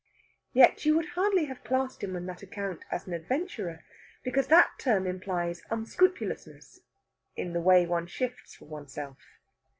Yet you would hardly have classed him on that account as an adventurer, because that term implies unscrupulousness in the way one shifts for oneself.